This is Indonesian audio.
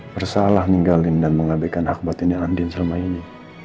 bersalah ninggalin dan mengabekkan hak batin yang adin selama ini